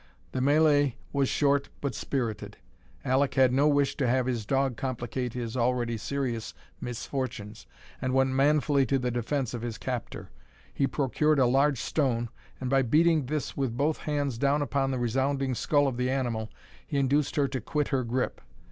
The mêlée was short, but spirited. Alek had no wish to have his dog complicate his already serious misfortunes, and went manfully to the defence of his captor. He procured a large stone, and by beating this with both hands down upon the resounding skull of the animal, he induced her to quit her grip.